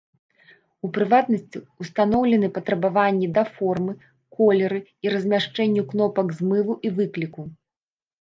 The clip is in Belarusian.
У прыватнасці, устаноўлены патрабаванні да формы, колеры і размяшчэнню кнопак змыву і выкліку.